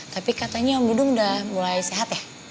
jadi katanya om dudung udah mulai sehat ya